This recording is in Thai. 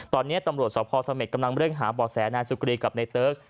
ตอนนี้ตำรวจสภเสม็ดกำลังเร่งหาบ่อแสนายสุกรีกับนายเติ๊ก